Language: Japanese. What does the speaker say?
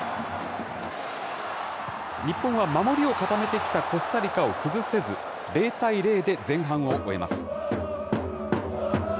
日本は守りをかためてきたコスタリカを崩せず、０対０で前半を終えます。